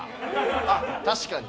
あっ確かに。